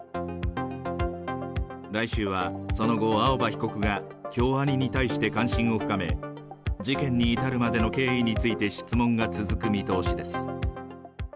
来週は、その後、青葉被告が京アニに対して関心を深め、事件に至るまでの経緯について質問が続く見通しです。